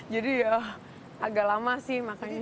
jadi ya agak lama sih makanya